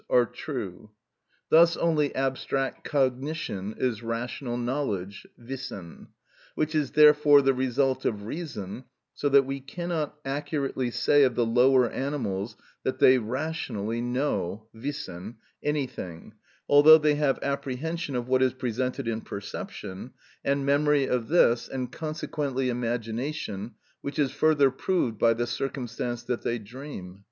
_, are true. Thus only abstract cognition is rational knowledge (wissen), which is therefore the result of reason, so that we cannot accurately say of the lower animals that they _rationally __ know_ (wissen) anything, although they have apprehension of what is presented in perception, and memory of this, and consequently imagination, which is further proved by the circumstance that they dream.